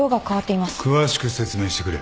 詳しく説明してくれ。